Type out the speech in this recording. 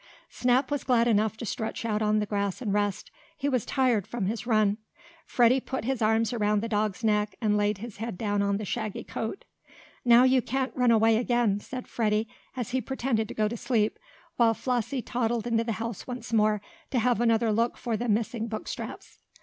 Snap was glad enough to stretch out on the grass and rest. He was tired from his run. Freddie put his arms around the dog's neck, and laid his head down on the shaggy coat. "Now you can't run away again," said Freddie, as he pretended to go to sleep, while Flossie toddled into the house once more, to have another look for the missing book straps.